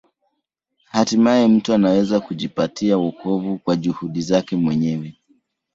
Hatimaye mtu anaweza kujipatia wokovu kwa juhudi zake mwenyewe.